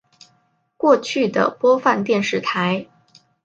过去的播放电视台